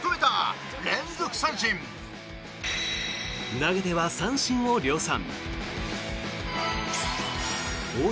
投げては三振を量産。